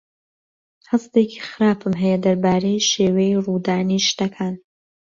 هەستێکی خراپم هەیە دەربارەی شێوەی ڕوودانی شتەکان.